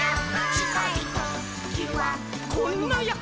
「ちかいときはこんなヤッホ」